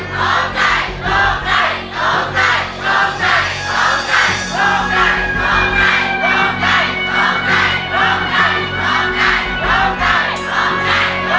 โทษใจโทษใจโทษใจโทษใจ